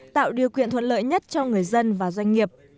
tạo điều kiện thuận lợi nhất cho người dân và doanh nghiệp